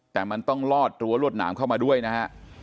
แต่มันต้องลอดรั้วรวดหนามเข้ามาด้วยนะฮะ